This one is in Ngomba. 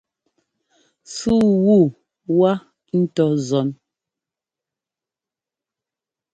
Súu wu wá ŋ́tɔ zɔ́n.